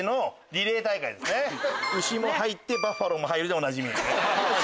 「牛」も入って「バッファロー」も入るでおなじみ。